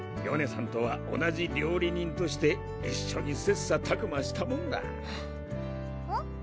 さんとは同じ料理人として一緒にせっさたくましたもんだハァ